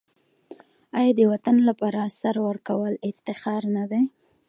آیا د وطن لپاره سر ورکول افتخار نه دی؟